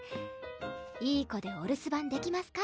いい子でお留守番できますか？